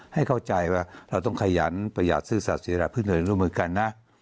ให้เข้าใจว่าเราต้องขยันประหยัดซื้อสาธารณะพืชหน่วยร่วมกันนะ